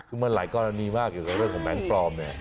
คือมันหลายกรณีมากเกี่ยวกับเรื่องของแบงค์ปลอมเนี่ย